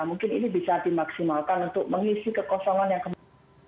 mungkin ini bisa dimaksimalkan untuk mengisi kekosongan yang kemudian